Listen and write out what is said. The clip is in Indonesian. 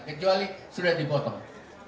kecuali sudah dibotong